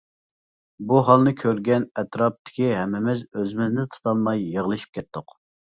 بۇ ھالنى كۆرگەن ئەتراپتىكى ھەممىمىز ئۆزىمىزنى تۇتالماي يىغلىشىپ كەتتۇق.